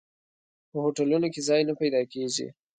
په هوټلونو کې ځای نه پیدا کېږي.